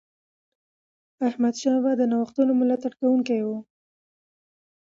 احمدشاه بابا د نوښتونو ملاتړ کوونکی و.